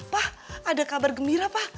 pa ada kabar gembira pa